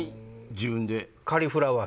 自分で。